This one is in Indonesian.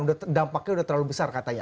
dampaknya sudah terlalu besar katanya